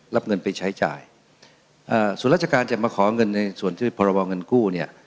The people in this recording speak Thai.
รับเงินไปใช้จ่ายอ่าส่วนราชการจะมาขอเงินในส่วนที่พรบเงินกู้เนี่ย